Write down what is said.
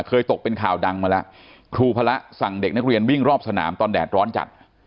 ตกเป็นข่าวดังมาแล้วครูพระสั่งเด็กนักเรียนวิ่งรอบสนามตอนแดดร้อนจัด